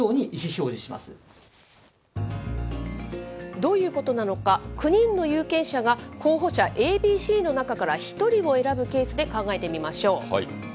どういうことなのか、９人の有権者が、候補者ＡＢＣの中から１人を選ぶケースで考えてみましょう。